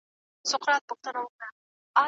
دا آیتونه د زده کړې اهمیت روښانه کوي.